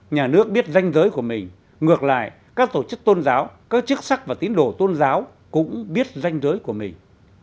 nhà nước biết danh giới của mình ngược lại các tổ chức tôn giáo các chức sắc và tín đồ tôn giáo cũng biết danh giới của mình